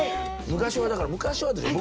昔はだから昔はですよ